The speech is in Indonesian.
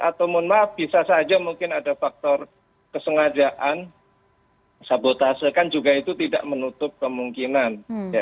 atau mohon maaf bisa saja mungkin ada faktor kesengajaan sabotase kan juga itu tidak menutup kemungkinan